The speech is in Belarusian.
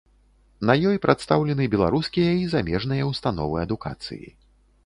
На ёй прадстаўлены беларускія і замежныя ўстановы адукацыі.